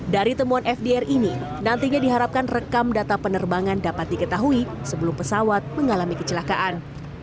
dari temuan fdr ini nantinya diharapkan rekam data penerbangan dapat diketahui sebelum pesawat mengalami kecelakaan